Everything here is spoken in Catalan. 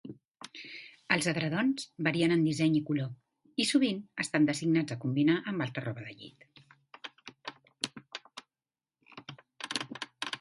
Els edredons varien en disseny i color, i sovint estan designats a combinar amb altra roba de llit.